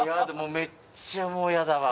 めっちゃもうやだわ。